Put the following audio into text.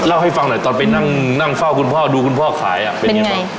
เล่าให้ฟังหน่อยตอนไปนั่งเฝ้าคุณพ่อดูคุณพ่อขายเป็นไงบ้าง